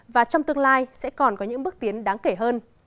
và trong tương lai sẽ còn có những bước tiến đáng kể hơn